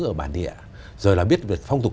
ở bản địa rồi là biết được phong tục